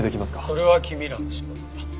それは君らの仕事だ。